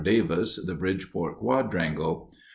Davis, the Bridgeport Quadrangle.